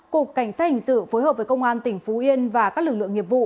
cục cảnh sát hình sự phối hợp với công an tỉnh phú yên và các lực lượng nghiệp vụ